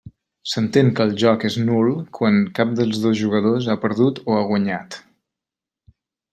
S'entén que el joc és nul quan cap dels dos jugadors ha perdut o ha guanyat.